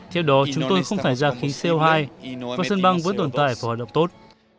theo đó chúng tôi không phải ra khí co hai và sân băng vẫn tồn tại và hoạt động tốt